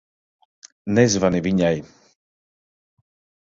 Nezvani viņai.